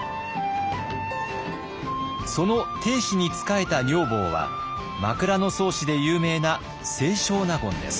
その定子に仕えた女房は「枕草子」で有名な清少納言です。